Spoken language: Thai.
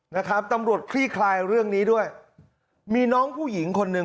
นะครับตำรวจคลี่คลายเรื่องนี้ด้วยมีน้องผู้หญิงคนหนึ่ง